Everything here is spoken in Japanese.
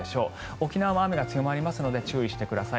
沖縄も雨が強まりますので注意してください。